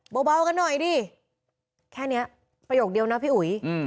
เบากันหน่อยดิแค่นี้ประโยคเดียวนะพี่อุ๋ย